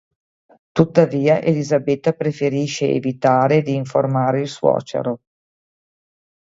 Tuttavia Elisabetta preferisce evitare di informare il suocero.